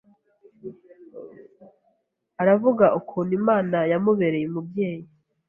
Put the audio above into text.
aravuga ukuntu Imana yamubereye umubyeyi